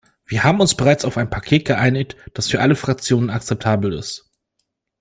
Wir haben uns bereits auf ein Paket geeinigt, das für alle Fraktionen akzeptabel ist.